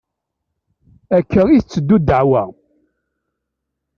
Akka i tetteddu ddeɛwa.